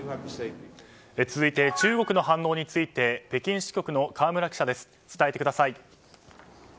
続いて中国の反応について北京支局の河村記者です。